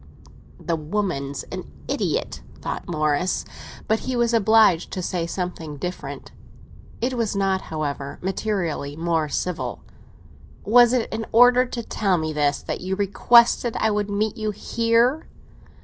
"The woman's an idiot," thought Morris; but he was obliged to say something different. It was not, however, materially more civil. "Was it in order to tell me this that you requested I would meet you here?"